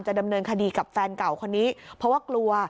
ดำเนินคดีกับแฟนเก่าคนนี้เพราะว่ากลัว